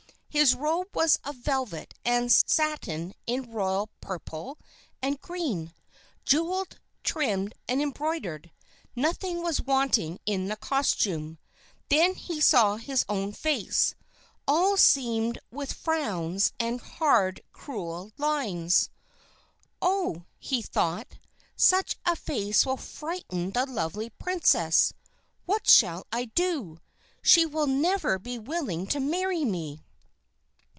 His robe was of velvet and satin in royal purple and green, jeweled, trimmed, and embroidered nothing was wanting in the costume. Then he saw his own face all seamed with frowns and hard, cruel lines. "Oh," he thought, "such a face will frighten the lovely princess! What shall I do? She will never be willing to marry me!"